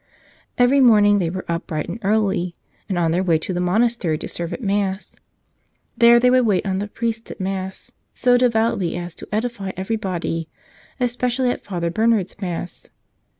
Every morn¬ ing they were up bright and early and on their way to the monastery to serve at Mass. There they would wait on the priests at Mass so devoutly as to edify everybody, especially at Father Bernard's Mass.